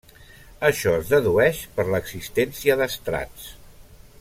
Això es dedueix per l'existència d'estrats.